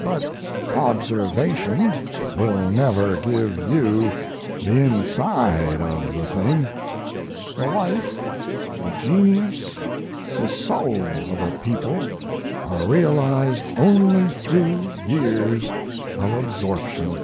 But observation will never give you the inside of the thing. The life, the genius, the soul of a people are realized only through years of absorption."